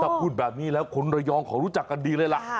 ถ้าพูดแบบนี้แล้วคนระยองเขารู้จักกันดีเลยล่ะ